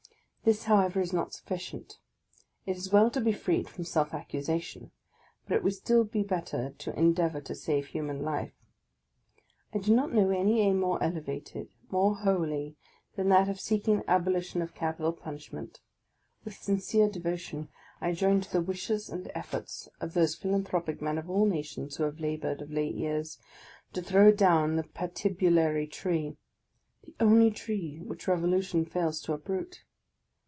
This, however, is not sufficient; it is well to be freed from self accusation, but it would be still better to endeavour to save human life. I do not know any aim more elevated, more holy, than that of seeking the abolition of capital punishment; with sincere devotion I join the wishes and efforts of those philanthropic men of all nations who have laboured, of late years, to throw down the patibulary tree, — the only tree which revolution fails to uproot